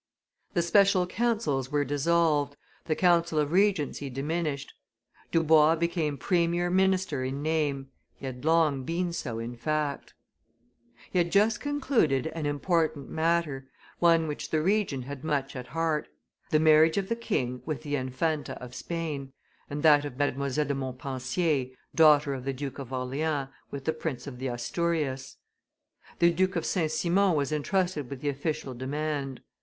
The special councils were dissolved, the council of regency diminished; Dubois became premier minister in name he had long been so in fact. He had just concluded an important matter, one which the Regent had much at heart the marriage of the king with the Infanta of Spain, and that of Mdlle. de Montpensier, daughter of the Duke of Orleans, with the Prince of the Asturias. The Duke of St. Simon was intrusted with the official demand.